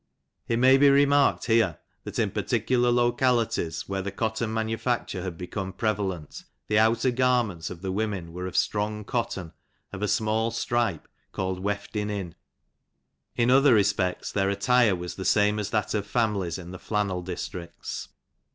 It may be remarked here, that in particular loca lities where the cotton manufacture had become prevalent, the outer garments of the women were of strong cotton, of a small stripe, called " weftin in ; in other respects their attire was the same as that of families in the flannel districts.